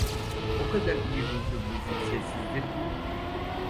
O kadar iyi huylu ve sessizdir ki!